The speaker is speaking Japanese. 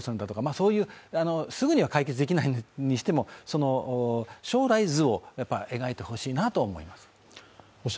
そういうすぐには解決できないにしても将来図を描いてほしいなと思います。